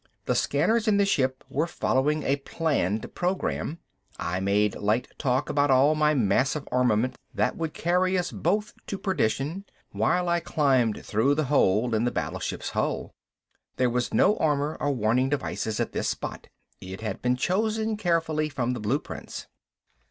The scanners in the ship were following a planned program. I made light talk about all my massive armament that would carry us both to perdition, while I climbed through the hole in the battleship's hull. There was no armor or warning devices at this spot, it had been chosen carefully from the blueprints.